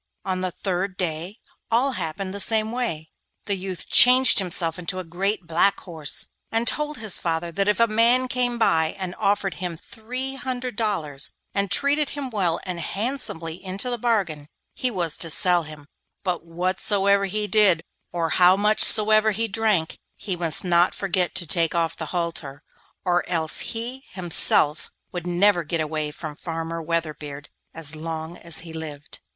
On the third day all happened in the same way. The youth changed himself into a great black horse, and told his father that if a man came and offered him three hundred dollars, and treated him well and handsomely into the bargain, he was to sell him, but whatsoever he did, or how much soever he drank, he must not forget to take off the halter, or else he himself would never get away from Farmer Weatherbeard as long as he lived.